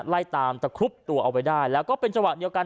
ไล่ตามตะครุบตัวเอาไว้ได้แล้วก็เป็นจังหวะเดียวกัน